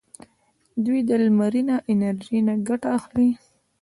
دوی د لمرینه انرژۍ نه ګټه اخلي.